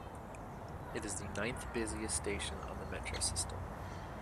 It is the ninth-busiest station on the Metro system.